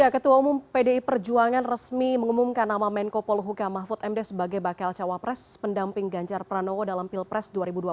ketua umum pdi perjuangan resmi mengumumkan nama menko polhuka mahfud md sebagai bakal cawapres pendamping ganjar pranowo dalam pilpres dua ribu dua puluh